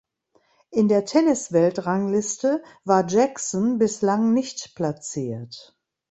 In der Tennisweltrangliste war Jackson bislang nicht platziert.